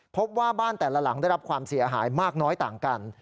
พบว่าบ้านแต่ละหลังได้รับความเสียหายมากน้อยต่างกัน